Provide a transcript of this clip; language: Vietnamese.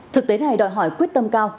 thực tế này đòi hỏi quyết tâm cao